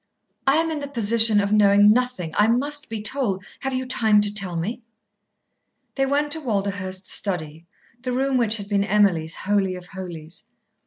"I am in the position of knowing nothing. I must be told. Have you time to tell me?" They went to Walderhurst's study, the room which had been Emily's holy of holies.